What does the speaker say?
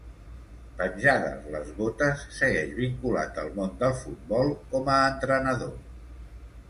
Penjades les botes, segueix vinculat al món del futbol com a entrenador.